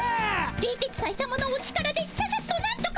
冷徹斎さまのお力でちゃちゃっとなんとか。